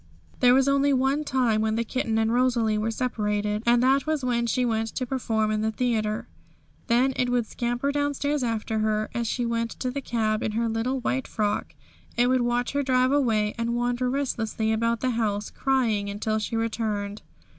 There was only one time when the kitten and Rosalie were separated, and that was when sue went to perform in the theatre. Then it would scamper downstairs after her, as she went to the cab in her little white frock; it would watch her drive away, and wander restlessly about the house, crying until she returned.